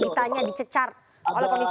ditanya dicecar oleh komisi